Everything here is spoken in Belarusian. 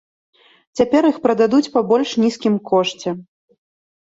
Цяпер іх прададуць па больш нізкім кошце.